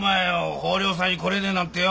豊漁祭来れねえなんてよ